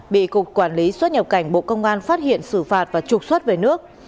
bị cục quản lý xuất nhập cảnh bộ công an phát hiện xử phạt và trục xuất về nước